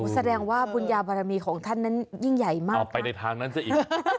แสดงว่าบุญญาบารมีของท่านนั้นยิ่งใหญ่มากเอาไปในทางนั้นซะอีก